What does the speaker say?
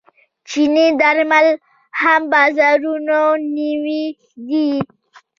چیني درمل هم بازارونه نیولي دي.